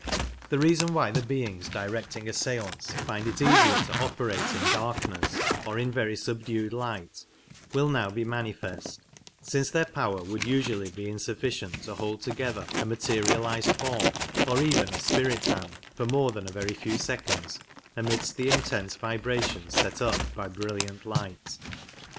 The reason why the beings directing a stance find it easier to operate in darkness or in very subdued light will now be manifest, since their power would ^^X Dark usually be insufficient to hold together a materi required, alized form or even a " spirit hand " for more than a very few seconds amidst the intense vibrations set up by brilliant light.